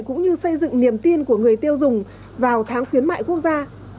cũng như xây dựng niềm tin của người tiêu dùng vào tháng khuyến mại quốc gia